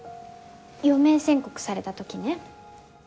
余命宣告された時ね